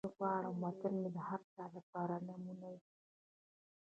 زه غواړم وطن مې د هر چا لپاره نمونه وي.